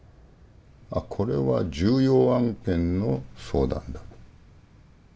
「あっこれは重要案件の相談だ。